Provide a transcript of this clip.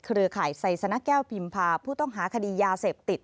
ข่ายไซสนะแก้วพิมพาผู้ต้องหาคดียาเสพติด